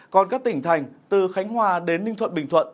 còn các tỉnh thành từ khánh hòa đến ninh thuận bình thuận